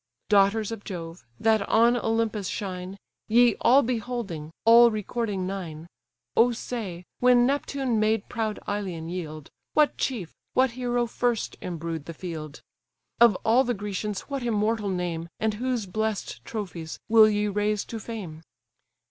Daughters of Jove! that on Olympus shine, Ye all beholding, all recording nine! O say, when Neptune made proud Ilion yield, What chief, what hero first embrued the field? Of all the Grecians what immortal name, And whose bless'd trophies, will ye raise to fame?